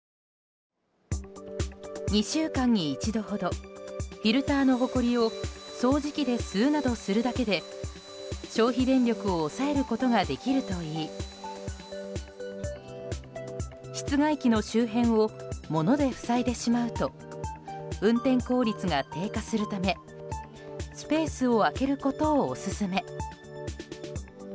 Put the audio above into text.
２週間に１度ほどフィルターのほこりを掃除機で吸うなどするだけで消費電力を抑えることができるといい室外機の周辺を物で塞いでしまうと運転効率が低下するためスペースを空けることをオススメ。